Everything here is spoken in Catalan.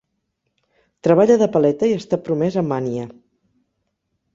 Treballa de paleta i està promès amb Anya.